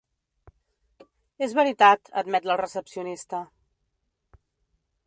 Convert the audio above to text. És veritat —admet la recepcionista—.